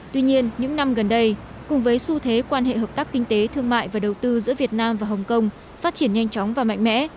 tuy nhiên những năm gần đây cùng với xu thế quan hệ hợp tác kinh tế thương mại và đầu tư giữa việt nam và hồng kông phát triển nhanh chóng và mạnh mẽ